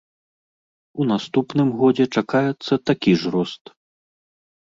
У наступным годзе чакаецца такі ж рост.